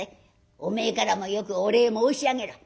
お前からもよくお礼申し上げろ」。